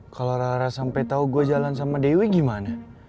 kalo rara sampe tau gue jalan sama dewi gimana